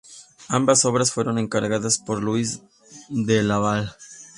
Ambas obras fueron encargadas por Louis de Laval.